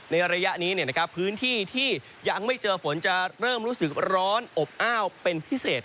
ระยะนี้พื้นที่ที่ยังไม่เจอฝนจะเริ่มรู้สึกร้อนอบอ้าวเป็นพิเศษ